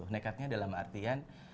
nekatnya dalam artian